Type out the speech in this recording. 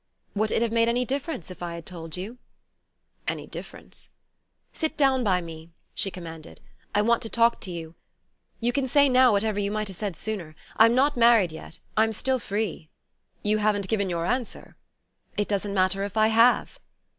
"Would it have made any difference if I had told you?" "Any difference ?" "Sit down by me," she commanded. "I want to talk to you. You can say now whatever you might have said sooner. I'm not married yet: I'm still free." "You haven't given your answer?" "It doesn't matter if I have."